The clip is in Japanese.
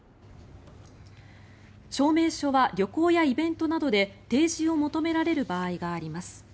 証明書は旅行やイベントなどで提示を求められる場合があります。